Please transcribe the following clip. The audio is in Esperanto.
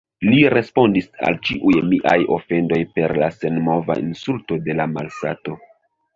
Li respondis al ĉiuj miaj ofendoj per la senmova insulto de la malŝato.